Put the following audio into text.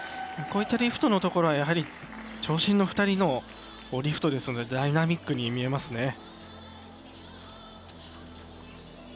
リフトのところは長身の２人のリフトですのでダイナミックに見えますね。